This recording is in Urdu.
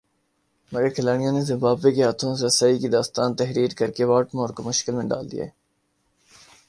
مگر کھلاڑیوں نے زمبابوے کے ہاتھوں رسائی کی داستان تحریر کر کے واٹمور کو مشکل میں ڈال دیا ہے